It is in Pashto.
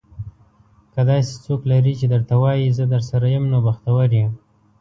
که داسې څوک لرې چې درته وايي, زه درسره یم. نو بختور یې.